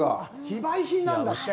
非売品なんだって。